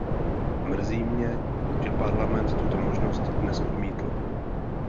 Mrzí mě, že Parlament tuto možnost dnes odmítl.